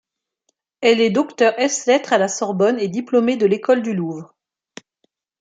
Elle est docteur ès lettres à la Sorbonne et diplômée de l'École du Louvre.